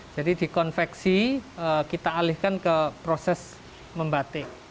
jadi di konveksi kita alihkan ke proses membatik